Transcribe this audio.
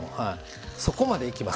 そこまでいきます。